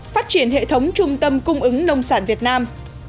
phát triển hệ thống trung tâm cung ứng nông sản việt nam